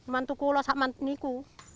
mantu pula saya mantu niku